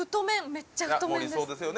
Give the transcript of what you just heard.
めっちゃ太麺です